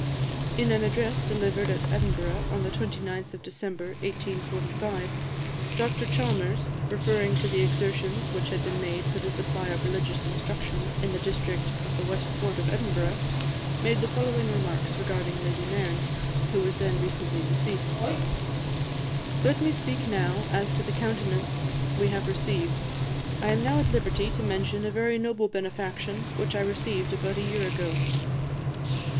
In an address delivered at Edinburgh, on the 29th of December 1845, Dr Chalmers, referring to the exertions which had been made for the supply of religious instruction in the district of the West Port of Edinburgh, made the following remarks regarding Lady Nairn, who was then recently deceased: "Let me speak now as to the countenance we have received. I am now at liberty to mention a very noble benefaction which I received about a year ago.